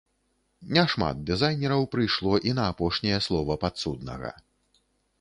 Не шмат дызайнераў прыйшло і на апошняе слова падсуднага.